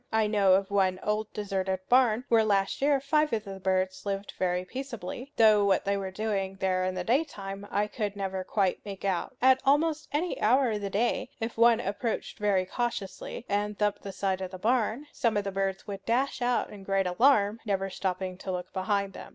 I know of one old deserted barn where last year five of the birds lived very peaceably; though what they were doing there in the daytime I could never quite make out. At almost any hour of the day, if one approached very cautiously and thumped the side of the barn, some of the birds would dash out in great alarm, never stopping to look behind them.